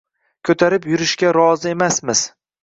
Ko’tarib yurishga rozi emasmiz!